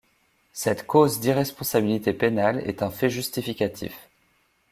Cette cause d'irresponsabilité pénale est un fait justificatif.